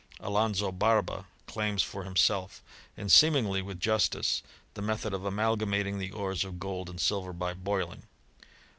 Alonzo Barba claims for liimself, and seemingly with justice, the method of amalgamating the ores of gold and silver by boiling.